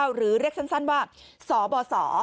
หรือเรียกสั้นว่าสบส